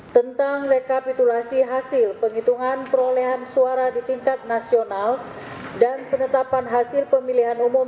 tentang rekapitulasi hasil penghitungan perolehan suara di tingkat nasional dan penetapan hasil pemilihan umum